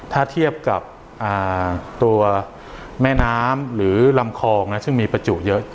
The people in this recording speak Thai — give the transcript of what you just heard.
ถ้าเทียบกับตัวแม่น้ำหรือลำคลองซึ่งมีประจุเยอะ